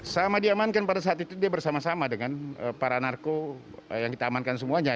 sama diamankan pada saat itu dia bersama sama dengan para narko yang kita amankan semuanya